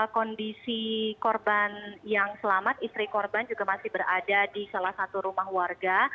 kondisi korban yang selamat istri korban juga masih berada di salah satu rumah warga